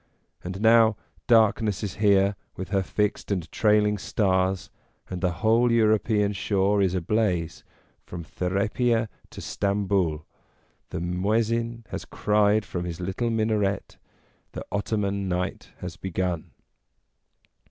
And now darkness is here with her fixed and trailing stars, and the whole European shore is ablaze from Therapia to Stamboul ; the Muezzin has cried from his little minaret, the Ottoman night has begun.